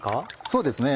そうですね